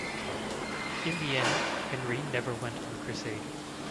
In the end, Henry never went on crusade.